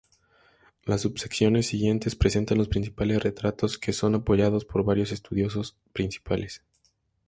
Las subsecciones siguientes presentan los principales retratos que son apoyados por varios estudiosos principales.